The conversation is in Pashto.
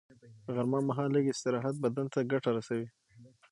غرمه مهال لږ استراحت بدن ته ګټه رسوي